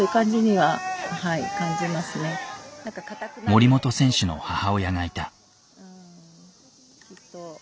森本選手の母親がいた。